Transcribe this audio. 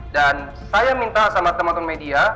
dan saya minta sama teman teman media